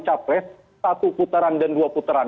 capres satu putaran dan dua putaran